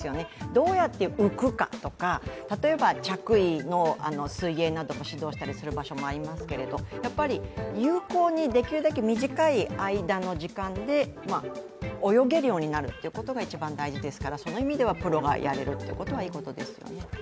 どうやって浮くかとか例えば着衣の水泳なども指導したりする場所もありますけどやっぱり有効に、できるだけ短い時間で泳げるようになるっていうことが一番大事ですからその意味ではプロがやれるということはいいことですよね。